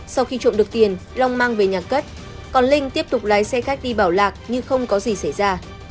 sau khi trộm được tiền long mang về nhà cất còn linh tiếp tục lái xe khách đi bảo lạc nhưng không có gì xảy ra